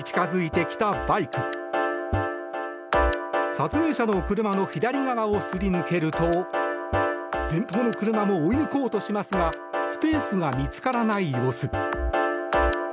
撮影者の車の左側をすり抜けると前方の車も追い抜こうとしますがスペースが見つからない様子。